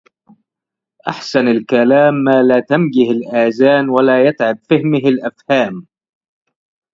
أحسن الكلام ما لا تمجّه الأذان ولا يُتعب فهمه الأفهام.